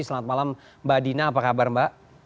selamat malam mbak dina apa kabar mbak